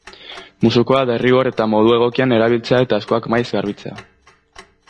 Musukoa derrigor eta modu egokian erabiltzea eta eskuak maiz garbitzea.